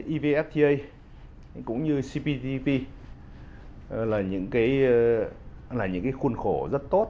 evfta cũng như cptpp là những cái khuôn khổ rất tốt